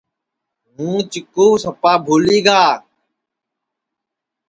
ہُوں چکُو سپا بھولی گا